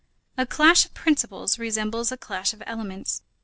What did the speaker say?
A clash of principles resembles a clash of elements.